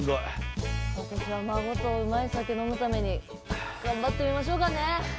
私は孫とうまい酒飲むために頑張ってみましょうかねえ！